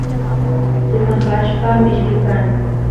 sumaq allpa mishki kan